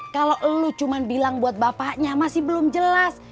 kalau lu cuma bilang buat bapaknya masih belum jelas